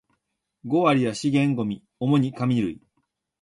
五割は資源ゴミ、主に紙類